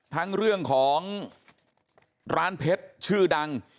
ทั้งเรื่องของร้านเพชรชื่อดัง